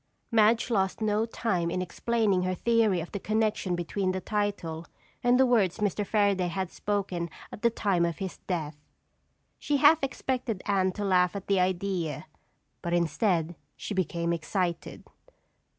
Madge lost no time in explaining her theory of the connection between the title and the words Mr. Fairaday had spoken at the time of his death. She half expected Anne to laugh at the idea, but instead, she became excited.